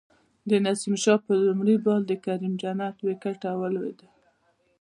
د نسیم شاه په لومړی بال د کریم جنت وکټه ولویده